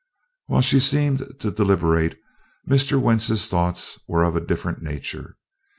While she seemed to deliberate, Mr. Wentz's thoughts were of a different nature.